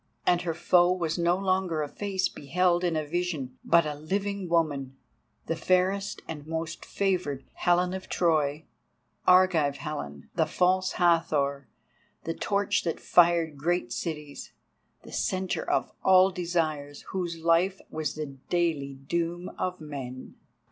And her foe was no longer a face beheld in a vision, but a living woman, the fairest and most favoured, Helen of Troy, Argive Helen, the False Hathor, the torch that fired great cities, the centre of all desire, whose life was the daily doom of men.